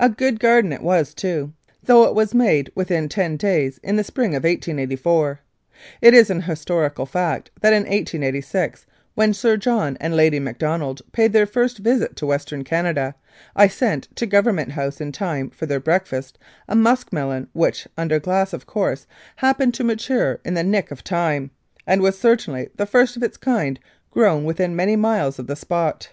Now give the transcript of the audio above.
A good garden it was, too, though it was made within ten days in the spring of 1884. It is an historical fact that in 1886, when Sir John and Lady Macdonald paid their first visit to Western Canada, I sent to Government House in time for their breakfast a musk melon which, under glass, of course, happened to mature in the nick of time, and was certainly the first of its kind grown within many miles of the spot.